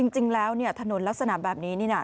จริงแล้วเนี่ยถนนลักษณะแบบนี้นี่นะ